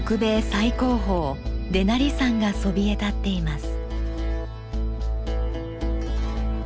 最高峰デナリ山がそびえ立っています。